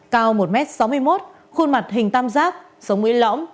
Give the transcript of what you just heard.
cao một m sáu mươi một khuôn mặt hình tam giác sống mũi lõm